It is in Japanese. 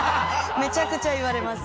めちゃくちゃ言われます。